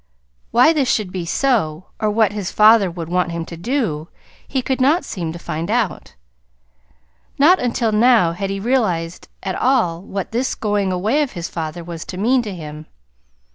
Why this should be so, or what his father would want him to do, he could not seem to find out. Not until now had he realized at all what this going away of his father was to mean to him.